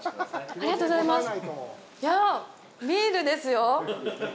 ありがとうございます。